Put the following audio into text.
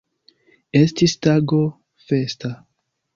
Estis tago festa.